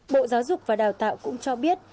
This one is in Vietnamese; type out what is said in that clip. bộ giáo dục và đào tạo cũng cho biết